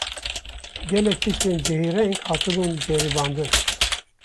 Gelek tiştên cihêreng hatibûn ceribandin